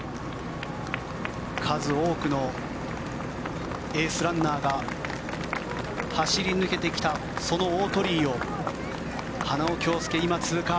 数多くのエースランナーが走り抜けてきたその大鳥居を花尾恭輔、今通過。